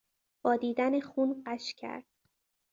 با دیدن خون غش کرد.